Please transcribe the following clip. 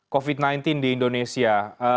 covid sembilan belas di indonesia